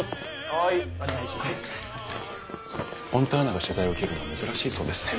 フォンターナが取材を受けるのは珍しいそうですね？